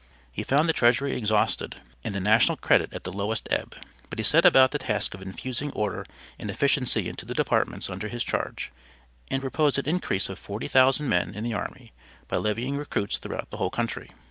He found the treasury exhausted and the national credit at the lowest ebb, but he set about the task of infusing order and efficiency into the departments under his charge, and proposed an increase of 40,000 men in the army by levying recruits throughout the whole country.